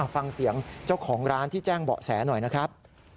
ฟังเสียงเจ้าของร้านที่แจ้งเบาะแสหน่อยนะครับ